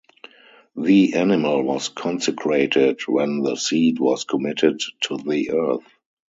The animal was consecrated when the seed was committed to the earth.